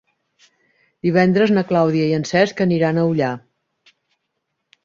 Divendres na Clàudia i en Cesc aniran a Ullà.